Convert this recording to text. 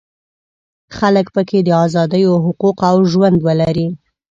خلک په کې د ازادیو حقوق او ژوند ولري.